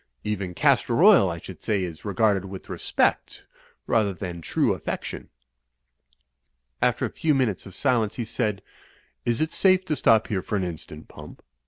Even castor oil, I should say, is re garded with respect rather than true affection." After a few minutes of silence, he said, "Is it safe to stop here for an instant. Pump?"